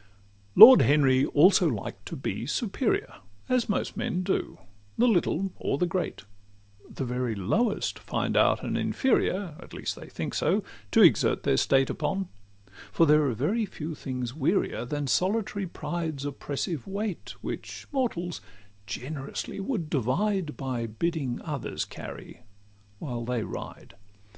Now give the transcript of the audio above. XIX Lord Henry also liked to be superior, As most men do, the little or the great; The very lowest find out an inferior, At least they think so, to exert their state Upon: for there are very few things wearier Than solitary Pride's oppressive weight, Which mortals generously would divide, By bidding others carry while they ride.